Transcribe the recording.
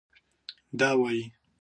دا وايي